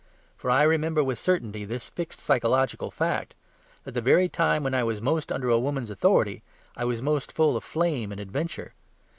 For I remember with certainty this fixed psychological fact; that the very time when I was most under a woman's authority, I was most full of flame and adventure.